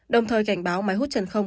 đồng thời cảnh báo máy hút chân không